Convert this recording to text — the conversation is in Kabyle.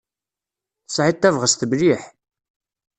Tesɛiḍ tabɣest mliḥ.